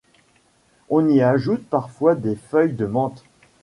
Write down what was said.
On y ajoute parfois des feuilles de menthe.